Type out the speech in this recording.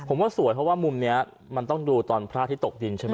ผมว่าสวยเพราะว่ามุมนี้มันต้องดูตอนพระที่ตกดินใช่ไหม